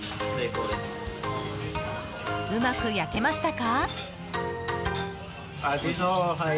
うまく焼けましたか？